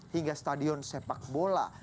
hingga stadion sepak bola